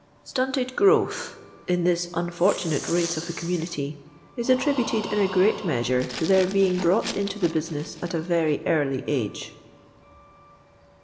'* *SiHiit4d groitth, in this unfortunato mce of the c^ lununity, is attributed, in a great measure, to tijfir being brought into the business at a very tally agr?